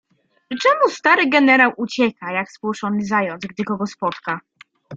"I czemu stary generał ucieka, jak spłoszony zając, gdy kogo spotka?"